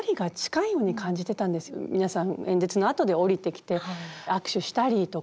皆さん演説のあとで降りてきて握手したりとか。